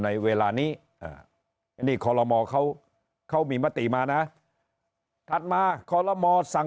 ในเวลานี้นี่ขอละมเขาเขามีมติมานะถัดมาขอละมสั่ง